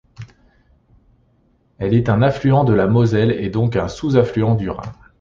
Elle est un affluent de la Moselle et donc un sous-affluent du Rhin.